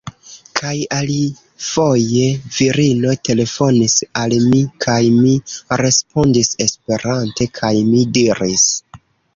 Kaj alifoje, virino telefonis al mi, kaj mi respondis Esperante, kaj mi diris: